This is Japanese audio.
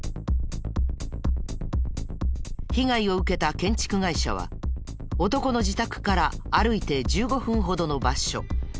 被害を受けた建築会社は男の自宅から歩いて１５分ほどの場所。